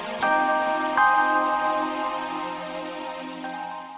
masih mau jualan atau mau pulang bang